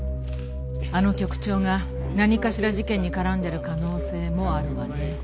あの局長が何かしら事件に絡んでる可能性もあるわね。